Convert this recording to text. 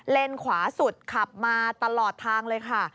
ขวาสุดขับมาตลอดทางเลยค่ะ